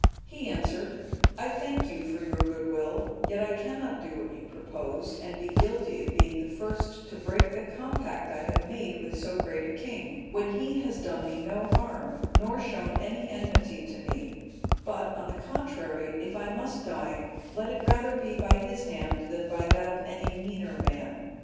He answered, "I thank you for your good will, yet I cannot do what you propose, and be guilty of being the first to break the compact I have made with so great a king, when he has done me no harm, nor shown any enmity to me; but, on the contrary, if I must die, let it rather be by his hand than by that of any meaner man.